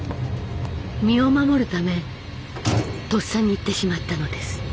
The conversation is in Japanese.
身を守るためとっさに言ってしまったのです。